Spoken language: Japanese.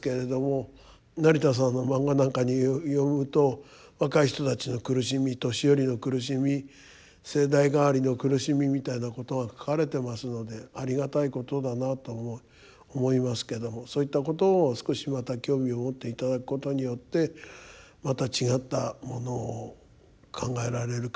成田さんのマンガなんかによると若い人たちの苦しみ年寄りの苦しみ世代替わりの苦しみみたいなことが描かれてますのでありがたいことだなと思いますけどそういったことを少しまた興味を持っていただくことによってまた違ったものを考えられるかなと思います。